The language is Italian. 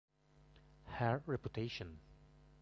Her Reputation